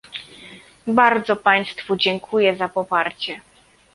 Bardzo państwu dziękuję za poparcie